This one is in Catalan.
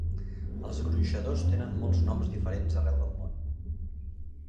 Els gronxadors tenen molts noms diferents arreu del món.